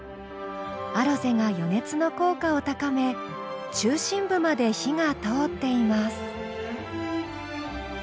アロゼが余熱の効果を高め中心部まで火が通っています。